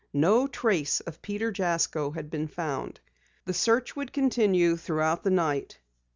No trace of Peter Jasko had been found. The search would continue throughout the night.